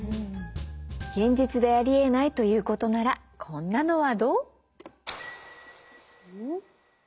現実でありえないということならこんなのはどう？